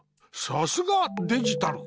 さすがデジタル！